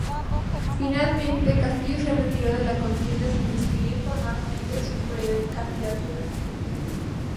Finalmente Castillo se retiró de la contienda sin inscribir formalmente su precandidatura.